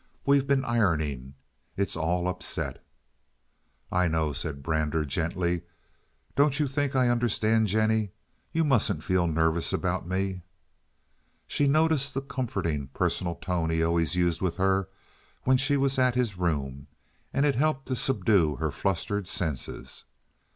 We've been ironing, and it's all upset." "I know," said Brander, gently. "Don't you think I understand, Jennie? You mustn't feel nervous about me." She noticed the comforting, personal tone he always used with her when she was at his room, and it helped to subdue her flustered senses.